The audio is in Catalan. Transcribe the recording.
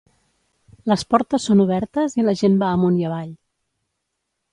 Les portes són obertes i la gent va amunt i avall.